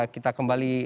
kita kembali ke jepang